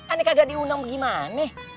ini kagak diundang bagaimana